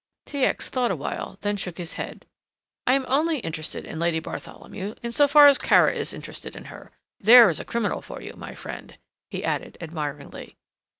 T. X. thought awhile, then shook his head. "I am only interested in Lady Bartholomew in so far as Kara is interested in her. There is a criminal for you, my friend!" he added, admiringly.